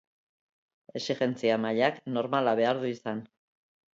Exigentzia mailak normala behar du izan.